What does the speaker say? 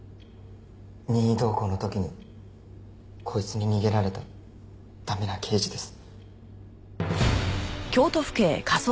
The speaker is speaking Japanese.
任意同行の時にこいつに逃げられた駄目な刑事です。